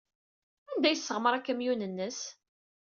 Anda ay yesseɣmer akamyun-nnes?